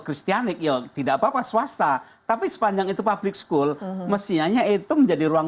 kristianik yuk tidak papa swasta tapi sepanjang itu public school mesinnya itu menjadi ruang